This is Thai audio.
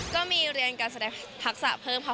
ก็มีเรียนการแสดงทักษะเพิ่มค่ะ